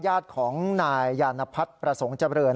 ญาติของนายยานพัฒน์ประสงค์เจริญ